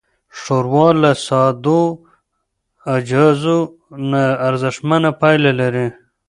ښوروا له سادهو اجزاوو نه ارزښتمنه پايله لري.